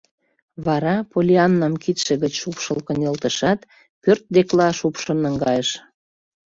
Вара, Поллианнам кидше гыч шупшыл кынелтышат, пӧрт декла шупшын наҥгайыш.